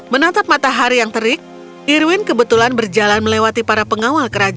menatap matahari yang terik irwin kebetulan berjalan melewati para pengawal kerajaan